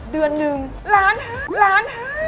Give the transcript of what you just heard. เดือนหนึ่งล้านห้า